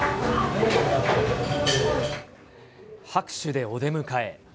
拍手でお出迎え。